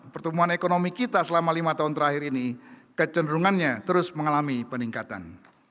pertumbuhan ekonomi kita selama lima tahun terakhir ini kecenderungannya terus mengalami peningkatan